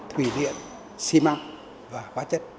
thủy điện thủy điện thủy điện thủy điện thủy điện thủy điện thủy điện